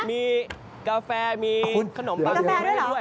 มีกาแฟมีขนมเต้น